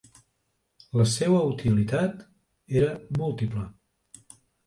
La seua utilitat era múltiple.